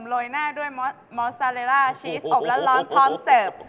โรยหน้าด้วยมอสซาเลล่าชีสอบร้อนความเสียบ